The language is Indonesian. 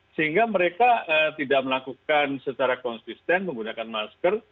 sehingga mereka tidak melakukan secara konsisten menggunakan masker